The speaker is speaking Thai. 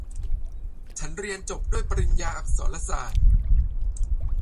ฉันเรียนจบด้วยปริญญาอักษรศาสตร์